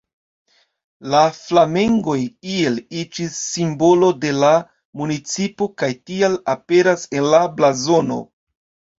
La flamengoj iel iĝis simbolo de la municipo kaj tial aperas en la blazono.